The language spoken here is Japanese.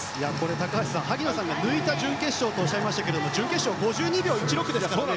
高橋さん、萩野さんが抜いた準決勝とおっしゃいましたが準決勝、５２秒１６ですからね。